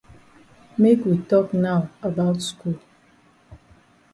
Make we tok now about skul.